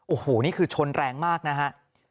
โอ้โหนี่คือชนแรงมากนะฮะ